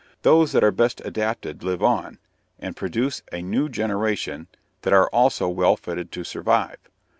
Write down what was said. Those that are best adapted live on, and produce a new generation that are also well fitted to survive.